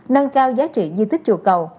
nâng cao giá trị di tích chùa cầu